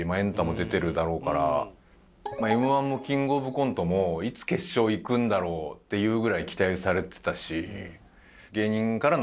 Ｍ−１もキングオブコントもいつ決勝いくんだろう？っていうぐらい期待されてたし。